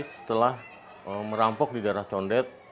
setelah merampok di daerah condet